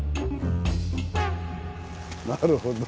なるほど。